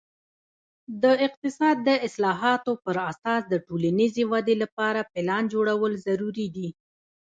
د اقتصاد د اصلاحاتو پر اساس د ټولنیزې ودې لپاره پلان جوړول ضروري دي.